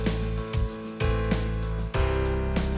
sementara dekorasi agar engkau koerers ella